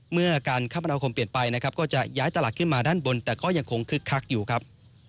เมื่อการคมนาคมเปลี่ยนไปนะครับก็จะย้ายตลาดขึ้นมาด้านบนแต่ก็ยังคงคึกคักอยู่ครับ